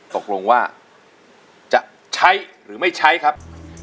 ตกลงว่าจะใช้หรือไม่ใช้ครับ